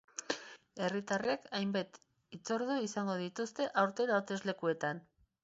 Herritarrek hainbat hitzordu izango dituzte aurten hauteslekuekin.